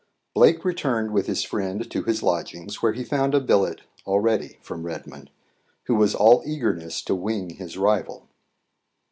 Blake returned with his friend to his lodgings, where he found a billet already from Redmond, who was all eagerness to wing his rival.